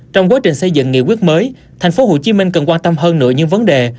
trong quá trình xây dựng nghị quyết mới tp hcm cần quan tâm hơn nữa những vấn đề